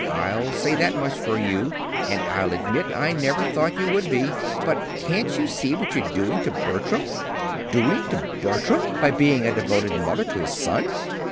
I'll say that much for you, and I'll admit I never thought you would be. But can't you see what you're doing to Bertram?" "Doing to Bertram! by being a devoted mother to his son!"